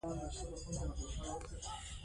نور خلک هم دې ته وهڅوئ.